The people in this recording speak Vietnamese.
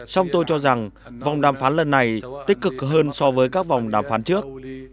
song tôi cho rằng vòng đàm phán lần này tích cực hơn so với các vòng đàm phán trước